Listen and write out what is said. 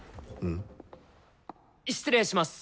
失礼します。